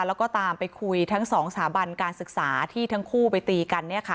แล้วก็ตามไปคุยทั้งสองสถาบันการศึกษาที่ทั้งคู่ไปตีกัน